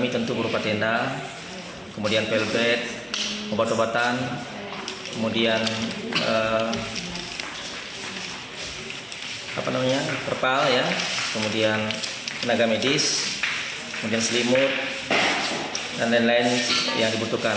tentu berupa tenda kemudian pelet obat obatan kemudian perpal kemudian tenaga medis kemudian selimut dan lain lain yang dibutuhkan